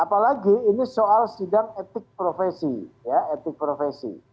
apalagi ini soal sidang etik profesi ya etik profesi